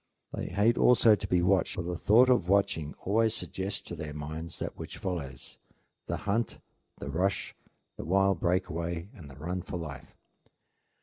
They hate also to be watched; for the thought of watching always suggests to their minds that which follows, the hunt, the rush, the wild break away, and the run for life.